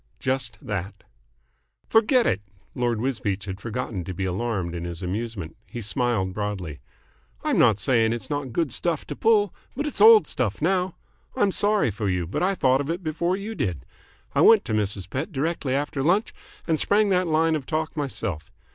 "Just that." "Forget it!" Lord Wisbeach had forgotten to be alarmed in his amusement. He smiled broadly. "I'm not saying it's not good stuff to pull, but it's old stuff now. I'm sorry for you, but I thought of it before you did. I went to Mrs. Pett directly after lunch and sprang that line of talk myself.